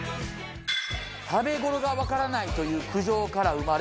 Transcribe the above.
食べ頃がわからないという苦情から生まれ